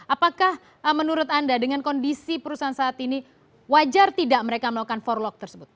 apakah menurut anda pak lamsar dengan kinerja perusahaan saat ini pemerintah juga sudah mulai melentur dengan memberikan izin ekspor konsentrat seperti itu